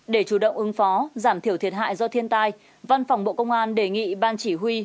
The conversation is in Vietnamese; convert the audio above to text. để chủ động ứng phó giảm thiểu thiệt hại do thiên tai văn phòng bộ công an đề nghị ban chỉ huy